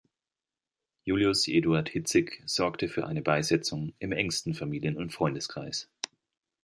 Julius Eduard Hitzig sorgte für eine Beisetzung im engsten Familien- und Freundeskreis.